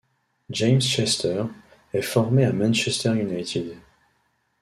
James Chester est formé à Manchester United.